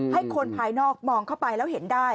ให้คนภายนอกมองเข้าไปแล้วเห็นได้